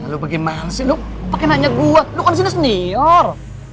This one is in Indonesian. lu bagaimana sih lu pake nanya gua lu kan sini senior